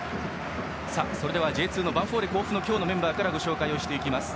それではＪ２のヴァンフォーレ甲府の今日のメンバーからご紹介していきます。